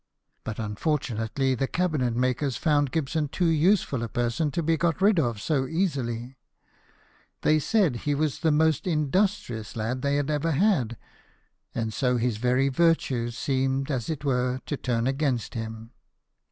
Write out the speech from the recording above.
But unfortunately the cabinet makers found Gibson too useful a per son to be got rid of so easily : they said he was JOHN GIBSON, SCULPTOR. 67 the most industrious lad they had ever had ; and so his very virtues seemed as it were to turn against him.